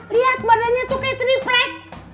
lihat badannya tuh kayak triplek